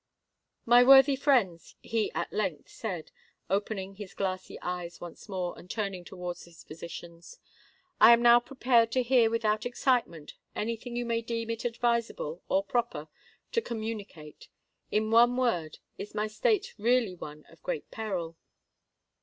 "My worthy friends," he at length said, opening his glassy eyes once more, and turning towards his physicians, "I am now prepared to hear without excitement any thing you may deem it advisable or proper to communicate. In one word, is my state really one of great peril?"